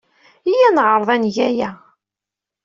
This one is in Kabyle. Iyya ad neɛreḍ ad neg kra.